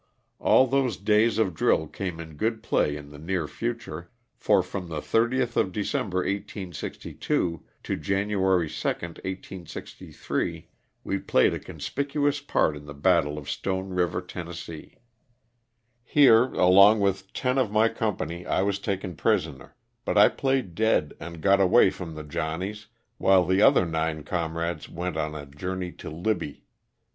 All those days of drill came in good play in the near future, for from the 30th of December, 1862,to January 2d, 1863, we played a conspicuous part in the battle of Stone River, Tenn. Here, along with ten of my company, I was taken prisoner, but 1 played dead and got away from the "Johnnies," while the other nine comrades went on a journey to Libby.